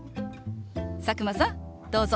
佐久間さんどうぞ。